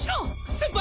先輩？